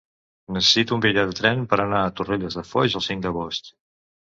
Necessito un bitllet de tren per anar a Torrelles de Foix el cinc d'agost.